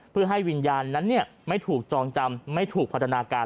เพื่อให้วิญญาณนั้นไม่ถูกจองจำไม่ถูกพัฒนาการ